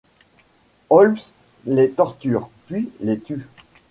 Holmes les torture, puis les tue.